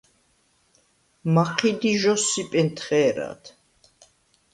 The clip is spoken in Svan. მაჴიდ ი ჟოსსიპენ თხე̄რად.